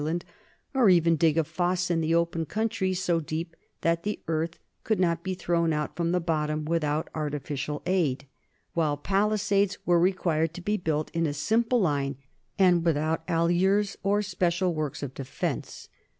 NORMAN LIFE AND CULTURE 153 or even dig a fosse in the open country so deep that the earth could not be thrown out from the bottom without artificial aid, while palisades were required to be built in a simple line and without alures or special works of defence.